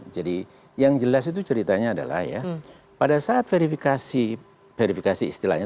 jadi yang jelas itu ceritanya adalah ya pada saat verifikasi verifikasi istilahnya